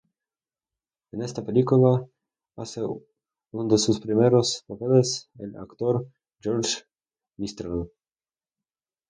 En esta película hace uno de sus primeros papeles el actor Jorge Mistral.